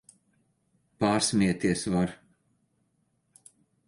Pārsmieties var!